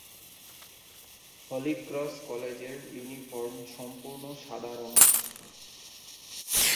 হলি Cross কলেজের uniform সম্পূর্ণ সাদা রঙের।